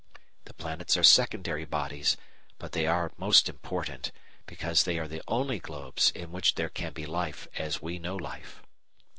The planets are secondary bodies, but they are most important, because they are the only globes in which there can be life, as we know life.